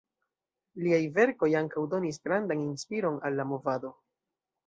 Liaj verkoj ankaŭ donis grandan inspiron al la movado.